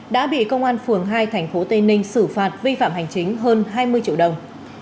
đã bị công an phường hai tp tây ninh xử phạt vi phạm hành chính hơn hai mươi triệu đồng